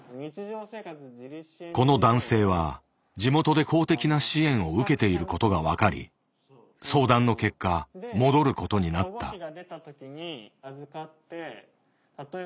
この男性は地元で公的な支援を受けていることが分かり相談の結果戻ることになった。